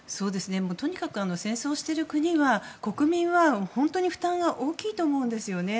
とにかく戦争をしている国の国民は本当に負担が大きいと思うんですよね。